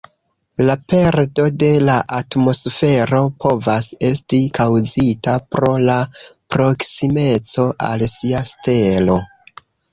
La perdo de la atmosfero povas esti kaŭzita pro la proksimeco al sia stelo.